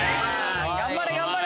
頑張れ頑張れ！